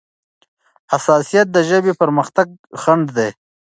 حساسيت د ژبې پرمختګ خنډ دی.